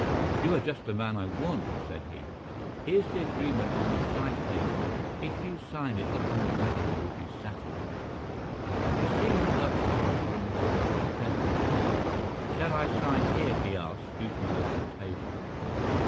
"You are just the man I want," said he. "Here's the agreement on the side table. If you sign it the whole matter will be settled." The seaman lurched across the room and took up the pen. "Shall I sign here?" he asked, stooping over the table.